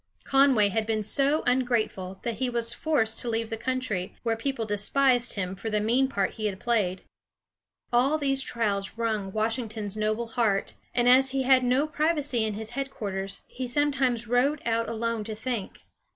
Conway had been so ungrateful that he was forced to leave the country, where people despised him for the mean part he had played. All these trials wrung Washington's noble heart, and as he had no privacy in his headquarters, he sometimes rode out alone to think.